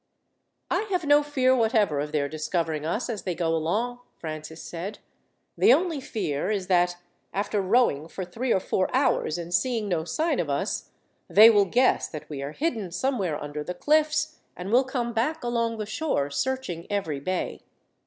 "I have no fear whatever of their discovering us as they go along," Francis said. "The only fear is that, after rowing for three or four hours and seeing no sign of us, they will guess that we are hidden somewhere under the cliffs, and will come back along the shore, searching every bay."